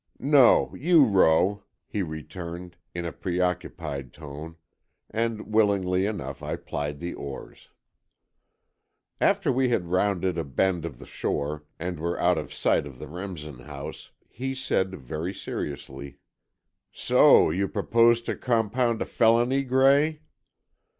"No, you row," he returned, in a preoccupied tone, and willingly enough I plied the oars. After we had rounded a bend of the shore, and were out of sight of the Remsen house, he said, very seriously: "So you proposed to compound a felony, Gray?"